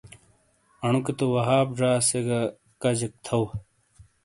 انوکے تو وہاب زا سے گہ کجیک تھو۔